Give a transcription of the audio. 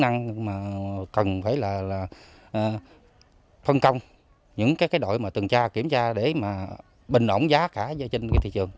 năng mà cần phải là phân công những cái đội mà tuần tra kiểm tra để mà bình ổn giá cả trên thị trường